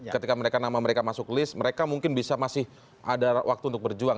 ketika mereka nama mereka masuk list mereka mungkin bisa masih ada waktu untuk berjuang